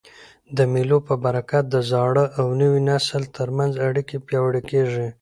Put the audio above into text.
د مېلو په برکت د زاړه او نوي نسل تر منځ اړیکي پیاوړي کېږي.